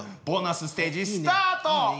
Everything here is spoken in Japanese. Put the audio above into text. ボーナスステージスタート！